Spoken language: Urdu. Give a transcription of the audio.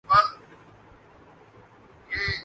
ان کا کام حکومت نہیں، بلکہ حکمرانوں کی اصلاح کی کوشش ہے